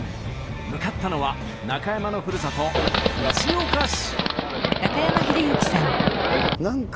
向かったのは中山のふるさと藤岡市。